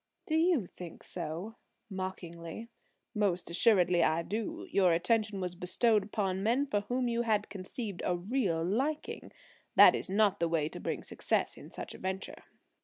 "Do you think so?" mockingly. "Most assuredly I do. Your attention was bestowed upon men for whom you had conceived a real liking. That is not the way to bring success in such a venture."